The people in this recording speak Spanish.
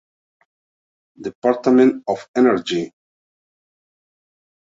Department of Energy.